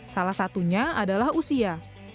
salah satunya adalah usia